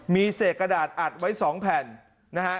มีเศษกระดาษอัดไว้๒แผ่นนะฮะ